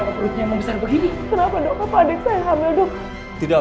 umiut jantung bayi pada antuman